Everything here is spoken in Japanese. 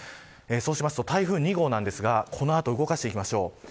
そうしますと、台風２号なんですがこの後動かしていきましょう。